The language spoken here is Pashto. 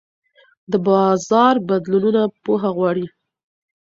د بازار بدلونونه پوهه غواړي.